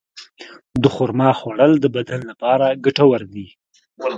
د خرما خوړل د بدن لپاره ګټور دي.